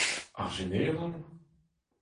Ar Jeneral ?